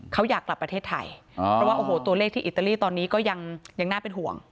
เขาอยากกลับประเทศไทยเพราะว่าโอ้โหตัวเลขที่อิตาลีตอนนี้ก็ยังน่าเป็นห่วง